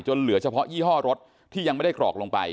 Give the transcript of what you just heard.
เหลือเฉพาะยี่ห้อรถที่ยังไม่ได้กรอกลงไป